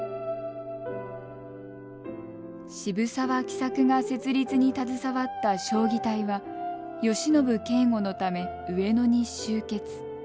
渋沢喜作が設立に携わった彰義隊は慶喜警護のため上野に集結。